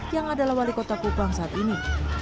yang adalah wali kota kupang saat ini